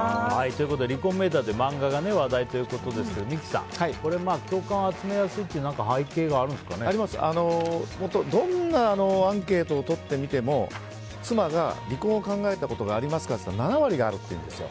「離婚メーター」という漫画が話題ということですが三木さん、共感を集めやすいって何かどんなアンケートをとってみても妻が離婚を考えたことがありますかって言ったら７割があるというんですよ。